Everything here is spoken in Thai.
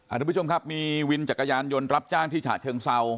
ทุกผู้ชมครับมีวินจักรยานยนต์รับจ้างที่ฉะเชิงเศร้า